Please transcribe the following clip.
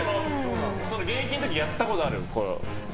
現役の時やったことある？